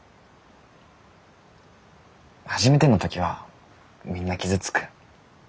初めての時はみんな傷つく。